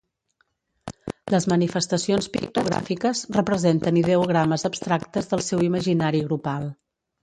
Les manifestacions pictogràfiques representen ideogrames abstractes del seu imaginari grupal.